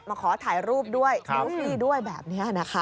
มาขอถ่ายรูปด้วยด้วยแบบนี้นะคะ